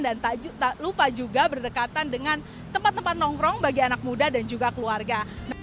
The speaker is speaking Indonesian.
dan tak lupa juga berdekatan dengan tempat tempat nongkrong bagi anak muda dan juga keluarga